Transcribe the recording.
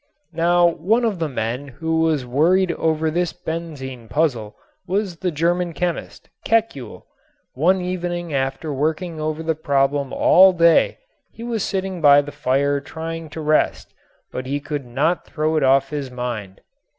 Now one of the men who was worried over this benzene puzzle was the German chemist, Kekulé. One evening after working over the problem all day he was sitting by the fire trying to rest, but he could not throw it off his mind.